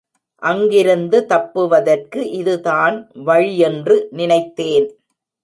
அங்கிருந்து தப்புவதற்கு இது தான் வழியென்று நினைத்தேன்.